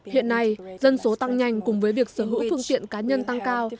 hiện nay dân số tăng nhanh cùng với việc sở hữu phương tiện cá nhân tăng cao